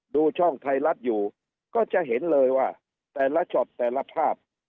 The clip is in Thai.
ดูช่องไทยรัฐอยู่ก็จะเห็นเลยว่าแต่ละช็อตแต่ละภาพ